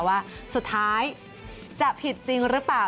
ว่าสุดท้ายจะผิดจริงหรือเปล่า